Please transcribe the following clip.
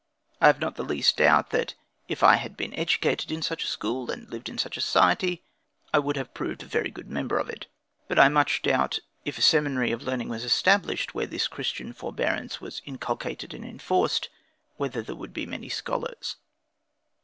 I have not the least doubt, that if I had been educated in such a school, and lived in such a society, I would have proved a very good member of it. But I much doubt, if a seminary of learning was established, where this Christian forbearance was inculcated and enforced, whether there would be many scholars.